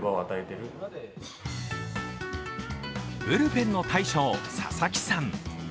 ブルペンの大将、佐々木さん。